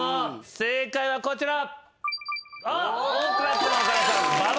正解はこちら。